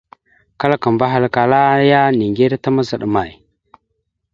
Kǝlakamba ahalǝkala ya: « Niŋgire ta mazaɗ amay? ».